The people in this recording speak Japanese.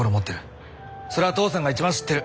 それは父さんがいちばん知ってる。